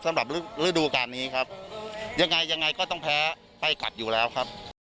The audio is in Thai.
สำหรับฤดูการนี้ครับยังไงยังไงก็ต้องแพ้ไปกัดอยู่แล้วครับ